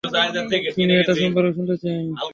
তুমি এটা সম্পর্কে শুনতে চেও না।